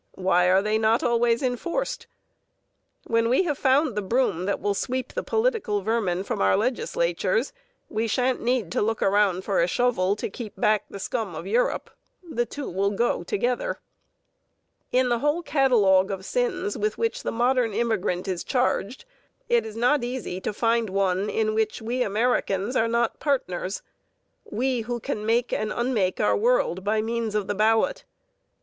Why are they not always enforced? When we have found the broom that will sweep the political vermin from our legislatures, we shan't need to look around for a shovel to keep back the scum of Europe. The two will go together. (5) See The Outlook, August 16, 1913; article by Frank Marshall White. In the whole catalogue of sins with which the modern immigrant is charged, it is not easy to find one in which we Americans are not partners, we who can make and unmake our world by means of the ballot.